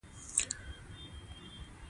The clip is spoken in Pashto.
علم د سوله ییز ژوند اساس دی.